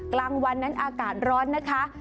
กลางวันนั้นอากาศร้อนนะคะ